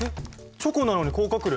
チョコなのに甲殻類？